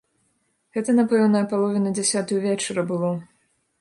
Гэта, напэўна, а палове на дзясятую вечара было.